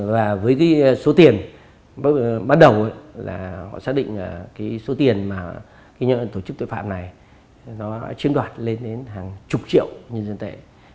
với số tiền bắt đầu họ xác định số tiền mà những tổ chức tội phạm này chiếm đoạt lên đến hàng chục triệu nhân dân tệ